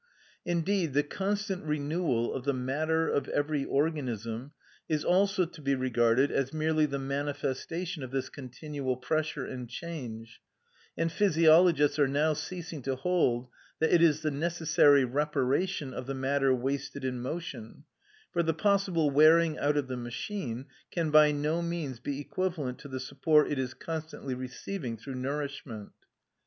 Indeed, the constant renewal of the matter of every organism is also to be regarded as merely the manifestation of this continual pressure and change, and physiologists are now ceasing to hold that it is the necessary reparation of the matter wasted in motion, for the possible wearing out of the machine can by no means be equivalent to the support it is constantly receiving through nourishment.